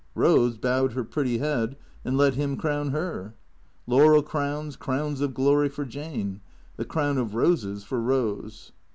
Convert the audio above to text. Eose bowed her pretty head and let him crown her. Laurel crowns, crowns of glory, for Jane. The crown of roses for Eose.